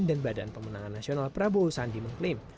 dan badan pemenangan nasional prabowo sandiaga mengklaim